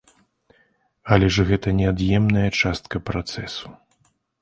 Але ж гэта неад'емная частка працэсу.